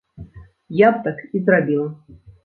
Я б так і зрабіла.